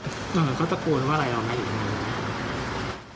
เหมือนเขาตะโกนว่าอะไรหรอไม่เห็น